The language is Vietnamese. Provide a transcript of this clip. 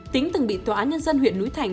tính từng bị tòa án nhân dân huyện núi thành